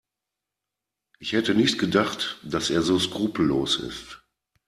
Ich hätte nicht gedacht, dass er so skrupellos ist.